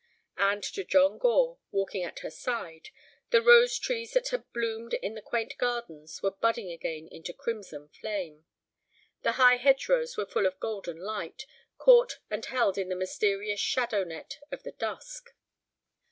And to John Gore, walking at her side, the rose trees that had bloomed in the quaint gardens were budding again into crimson flame. The high hedgerows were full of golden light, caught and held in the mysterious shadow net of the dusk.